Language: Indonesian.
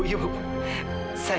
saya akan segera pesan ya